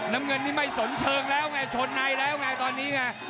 น้ำเงินนี่ไม่สมเชิงแล้วไงชนในแล้วไงตอนนี้ไง